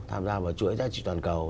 tham gia vào chuỗi giá trị toàn cầu